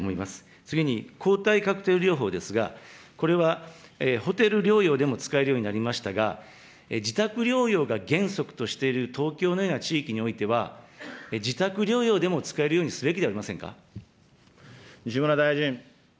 次に、抗体カクテル療法ですが、これはホテル療養でも使えるようになりましたが、自宅療養が原則としている東京のような地域においては、自宅療養でも使えるよう西村大臣。